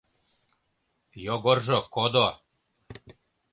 Йогоржо кодо.